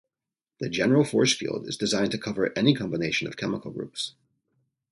The general force field is designed to cover any combination of chemical groups.